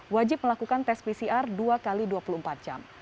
wajib melakukan tes pcr dua x dua puluh empat jam